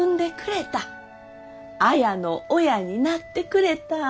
綾の親になってくれた。